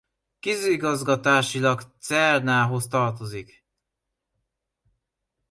Közigazgatásilag Cernához tartozik.